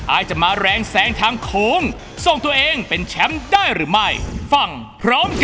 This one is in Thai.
อายจะมาแรงแสงทางโค้งส่งตัวเองเป็นแชมป์ได้หรือไม่ฟังพร้อมกัน